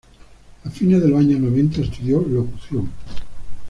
A fines de los años noventa estudió locución.